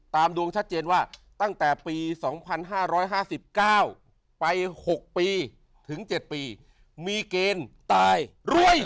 ดวงชัดเจนว่าตั้งแต่ปี๒๕๕๙ไป๖ปีถึง๗ปีมีเกณฑ์ตายรวย